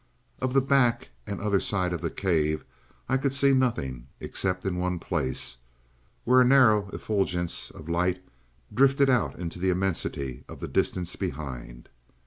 "Of the back and other side of the cave, I could see nothing, except in one place, where a narrow effulgence of light drifted out into the immensity of the distance behind.